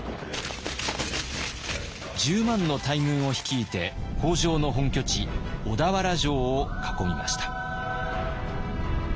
１０万の大軍を率いて北条の本拠地小田原城を囲みました。